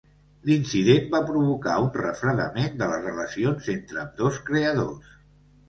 L'incident va provocar un refredament de les relacions entre ambdós creadors.